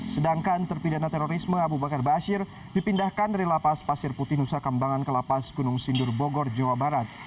sedangkan terpidana terorisme abu bakar bashir dipindahkan dari lapas pasir putih nusa kambangan ke lapas gunung sindur bogor jawa barat